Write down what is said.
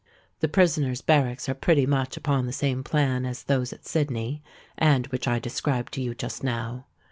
The Prisoners' Barracks are pretty much upon the same plan as those at Sydney, and which I described to you just now.